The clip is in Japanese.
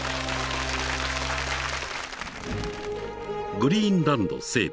［グリーンランド西部］